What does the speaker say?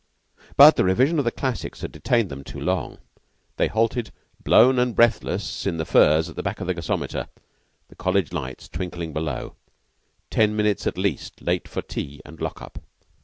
But the revision of the classics had detained them too long. They halted, blown and breathless, in the furze at the back of the gasometer, the College lights twinkling below, ten minutes at least late for tea and lock up.